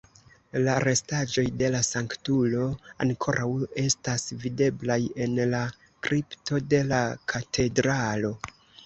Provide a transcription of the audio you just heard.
La restaĵoj de la sanktulo ankoraŭ estas videblaj en la kripto de la katedralo.